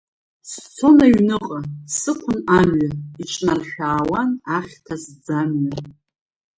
Сцон аҩныҟа, сықәын амҩа, иҿнаршәаауан ахьҭа сӡамҩа.